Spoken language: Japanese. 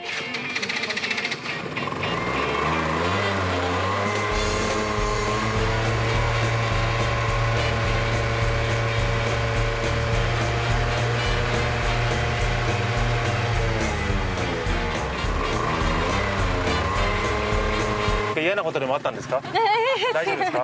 何か嫌なことでもあったんですか。